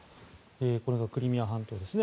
これがクリミア半島ですね。